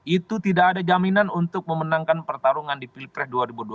itu tidak ada jaminan untuk memenangkan pertarungan di pilpres dua ribu dua puluh